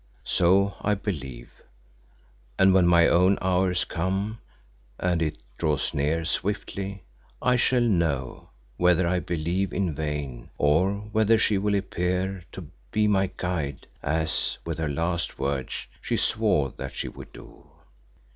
So I believe; and when my own hour comes, and it draws near swiftly, I shall know whether I believe in vain, or whether she will appear to be my guide as, with her last words, she swore that she would do.